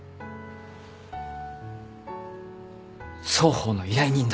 双方の依頼人だ。